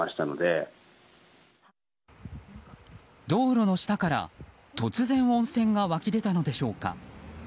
道路の下から突然温泉が湧き出たのでしょうか。